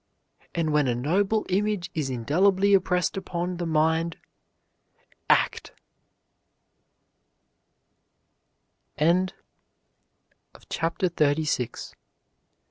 and when a noble image is indelibly impressed upon the mind Act!